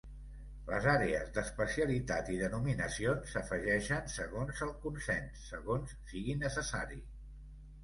Les àrees d'especialitat i denominacions s'afegeixen segons el consens, segons sigui necessari.